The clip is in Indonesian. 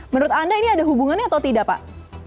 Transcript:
menurut anda ini ada hubungannya atau tidak pak